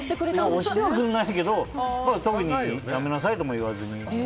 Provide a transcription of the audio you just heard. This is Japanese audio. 押してはくれないけど特にやめなさいとも言われずに。